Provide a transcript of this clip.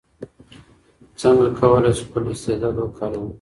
څنګه کولای سو خپل استعداد وکاروو؟